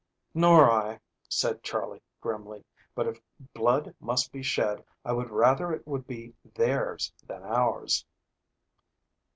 "Nor I," said Charley grimly. "But if blood must be shed I would rather it would be theirs than ours."